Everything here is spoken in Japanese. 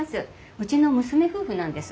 うちの娘夫婦なんです。